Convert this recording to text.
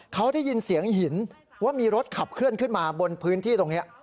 เขาได้ยินเสียงหินว่ามีรถขับเคลื่อนขึ้นมาบนพื้นที่ตรงนี้